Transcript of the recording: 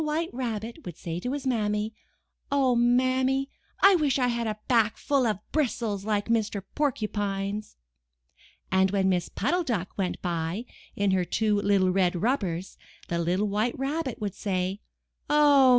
MY BOOK HOUSE Rabbit would say to his Mammy: *'0h, Mammy, I wish I had a back full of bristles like Mr. Porcupine's/' And when Miss Puddle Duck went by in her two little red rubbers, the little White Rabbit would say: *'0h.